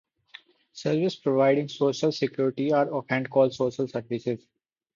Services providing social security are often called social services.